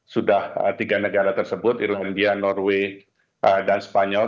sudah tiga negara tersebut irlandia norway dan spanyol